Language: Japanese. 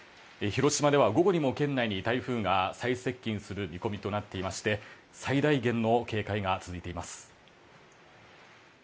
広島では午後にも、県内に台風が最接近する見込みとなっておりまして最大限の警戒が続いています。